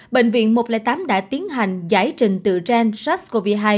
bệnh viện một trăm linh tám đã tiến hành giải trình tự gen sars cov hai